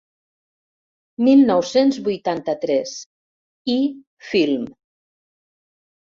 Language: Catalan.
Mil nou-cents vuitanta-tres. i-Film...